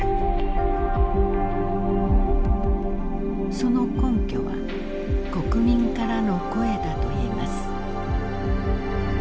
その根拠は国民からの声だといいます。